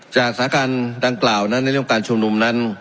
สถานการณ์ดังกล่าวนั้นในเรื่องการชุมนุมนั้น